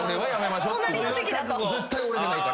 絶対俺じゃないから。